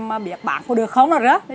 mà biết bán có được không rồi đó